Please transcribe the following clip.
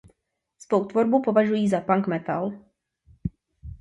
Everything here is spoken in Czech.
Svou tvorbu považují za punk metal.